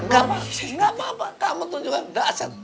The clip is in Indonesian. enggak pak enggak pak kamu tunjukkan dasar